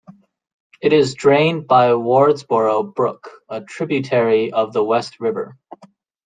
It is drained by Wardsboro Brook, a tributary of the West River.